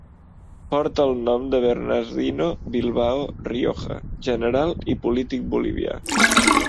Porta el nom de Bernardino Bilbao Rioja, general i polític bolivià.